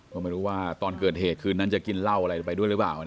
ก็ไม่รู้ว่าตอนเกิดเหตุคืนนั้นจะกินเหล้าอะไรไปด้วยหรือเปล่า